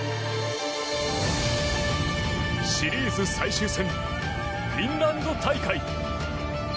シリーズ最終戦フィンランド大会。